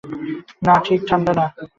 না, ঠিক ঠান্ডা না।